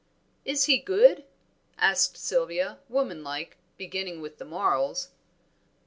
"Is he good?" asked Sylvia, womanlike, beginning with the morals.